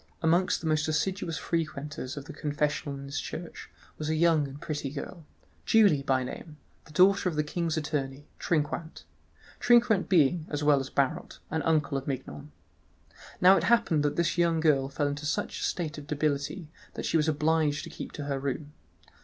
Amongst the most assiduous frequenters of the confessional in his church was a young and pretty girl, Julie by name, the daughter of the king's attorney, Trinquant—Trinquant being, as well as Barot, an uncle of Mignon. Now it happened that this young girl fell into such a state of debility that she was obliged to keep her room.